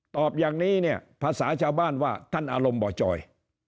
ตอบอย่างนี้เนี่ยภาษาชาวบ้านว่าท่านอารมณ์บ่อจอย